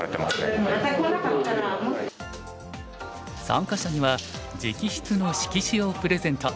参加者には直筆の色紙をプレゼント。